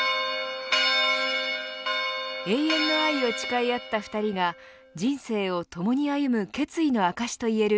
永遠の愛を誓い合った２人が人生を共に歩む決意の証しといえる。